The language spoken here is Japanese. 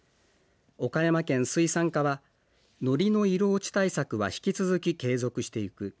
岡山県水産課はノリの色落ち対策は引き続き継続していく。